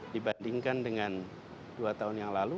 dibandingkan dengan dua tahun yang lalu